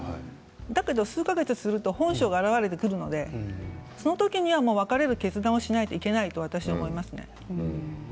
でも数か月すると本性があらわれてくるのでその時にはもう別れる決断をしないといけないと思います。